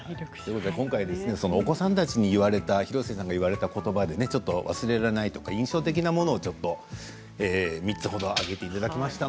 今回、お子さんたちに言われた広末さんが言われたことばで忘れられない印象的なもの、３つほど挙げていただきました。